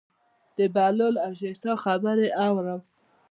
د بهلول او شیرشاه خبرې اورم.